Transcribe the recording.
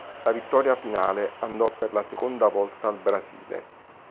La vittoria finale andò per la seconda volta al Brasile.